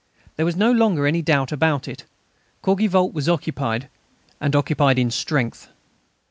There was no longer any doubt about it; Courgivault was occupied, and occupied in strength.